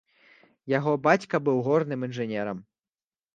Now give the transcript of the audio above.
Яго бацька быў горным інжынерам.